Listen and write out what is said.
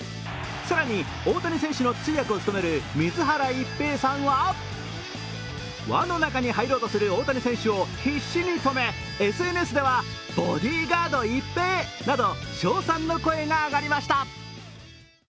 更に、大谷選手の通訳を務める水原一平さんは、輪の中に入ろうとする大谷選手を必死に止め、ＳＮＳでは称賛の声が上がりました。